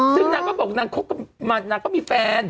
ซึ่งนางก็บอกนางคบกันมานางก็มีแฟน